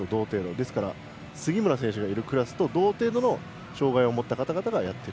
ですから杉村選手がいるクラスと同程後の障害を持った方々がやっている。